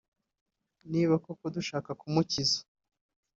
niba koko dushaka kumukira